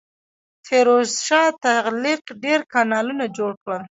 فیروز شاه تغلق ډیر کانالونه جوړ کړل.